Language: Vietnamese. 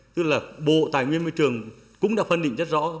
tức là bộ tài nguyên môi trường cũng đã phân định rất rõ